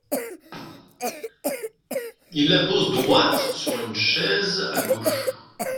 Il la pose droite sur un chaise à gauche.